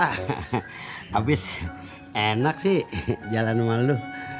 habis enak sih jalan malu